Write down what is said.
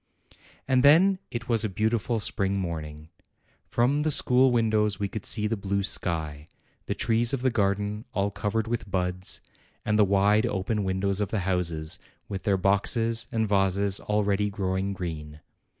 And then it was a beautiful spring morning. From the school windows we could see the blue sky, the trees of the garden all covered with buds, and the wide open windows of the houses, with their boxes and vases already growing green.